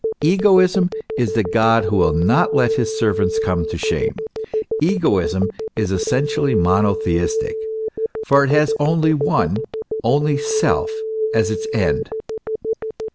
Egoism is the God who will not let his servants come to shame. Egoism is essentially monotheistic, for it has only one, only self, as its end.